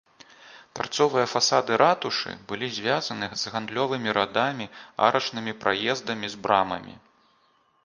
Тарцовыя фасады ратушы былі звязаны з гандлёвымі радамі арачнымі праездамі з брамамі.